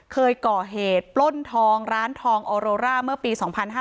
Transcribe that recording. เคยก่อเหตุปล้นทองร้านทองออโรร่าเมื่อปี๒๕๕๙